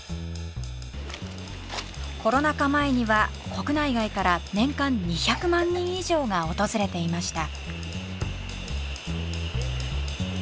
コロナ禍前には国内外から年間２００万人以上が訪れていました。